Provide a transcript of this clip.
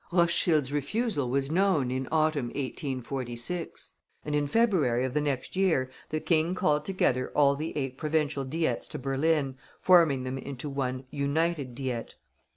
Rothschild's refusal was known in autumn, 1846, and in February of the next year the King called together all the eight Provincial Diets to Berlin, forming them into one "United Diet."